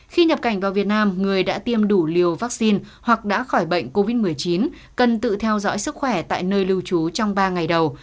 khi nhập cảnh vào việt nam người đã tiêm đủ liều vaccine hoặc đã khỏi bệnh covid một mươi chín cần tự theo dõi sức khỏe tại nơi lưu trú trong ba ngày đầu